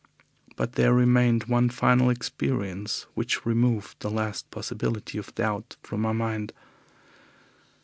But there remained one final experience which removed the last possibility of doubt from my mind.